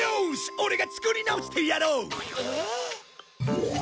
オレが作り直してやろう！ええ！？